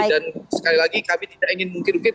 dan sekali lagi kami tidak ingin mungkit mungkit